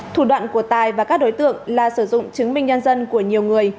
thủ đoạn của tài và các đối tượng là sử dụng chứng minh nhân dân của nhiều người